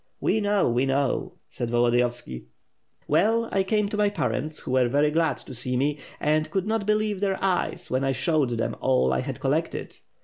"We know, we know," said Volodiyovski. "Well, I came to my parents, who were very glad to see me, and could not believe their eyes when I shewed them all I had collected.